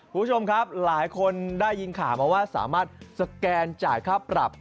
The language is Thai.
คุณผู้ชมครับหลายคนได้ยินข่าวมาว่าสามารถสแกนจ่ายค่าปรับ